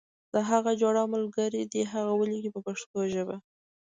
د هغه جوړه ملګری دې هغه ولیکي په پښتو ژبه.